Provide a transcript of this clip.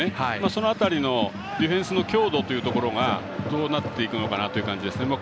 その辺りのディフェンスの強度というところがどうなっていくのかなという感じです。